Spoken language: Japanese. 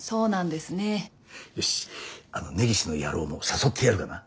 よしあの根岸の野郎も誘ってやるかな。